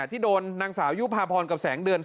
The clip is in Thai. ที่โดนนางสาวยุภาพรกับแสงเดือน